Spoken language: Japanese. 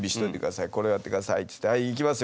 これをやってくださいって言ってはい行きますよ